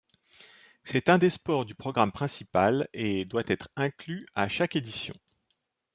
C'est un des sports du programme princpal et doit être inclus à chaque édition.